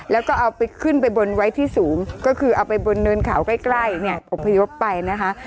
แล้วก็เอาไปขึ้นไปบนไว้ที่สูงก็คือเอาไปบนเนินเขาใกล้เนี่ยอบพยพไปนะคะ